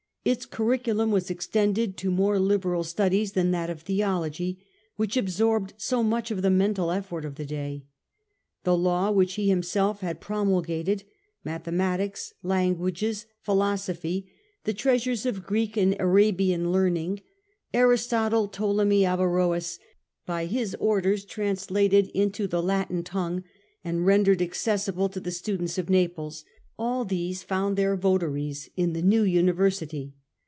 Its curri culum was extended to more liberal studies than that of Theology which absorbed so much of the mental effort of the day. The Law which he himself had pro mulgated, Mathematics, Languages, Philosophy, the treasures of Greek and Arabian learning, Aristotle, Ptolemy, Averrhoes, by his orders translated into the Latin tongue and rendered accessible to the students of Naples, all these found their votaries in the new University.